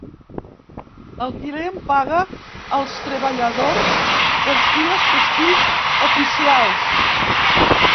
El client paga als treballadors els dies festius oficials.